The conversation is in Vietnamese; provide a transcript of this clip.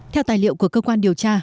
theo tài liệu của cơ quan điều tra